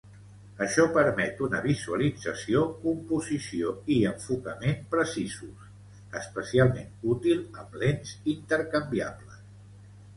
Això permet una visualització, composició i enfocament precisos, especialment útil amb lents intercanviables.